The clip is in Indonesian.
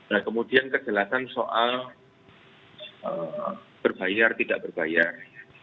nah kemudian kejelasan soal berbayar tidak berbayar